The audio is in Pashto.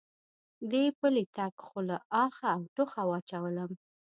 دې پلی تګ خو له آخه او ټوخه واچولم.